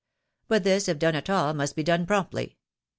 But this, if done' at all, must be done promptly.